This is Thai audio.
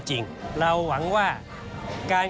ส่วนต่างกระโบนการ